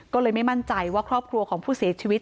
ก็เลยไม่มั่นใจว่าครอบครัวของผู้เสียชีวิต